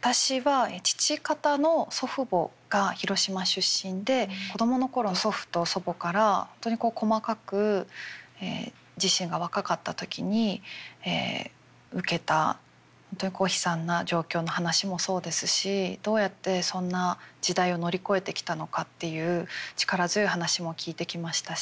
私は父方の祖父母が広島出身で子供の頃祖父と祖母から本当にこう細かく自身が若かった時に受けた本当にこう悲惨な状況の話もそうですしどうやってそんな時代を乗り越えてきたのかっていう力強い話も聞いてきましたし。